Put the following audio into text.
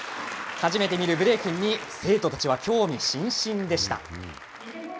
初めて見るブレイキンに、生徒たちは興味津々でした。